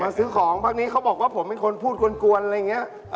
ซื้อของพักนี้เขาบอกว่าผมเป็นคนพูดกวนอะไรอย่างนี้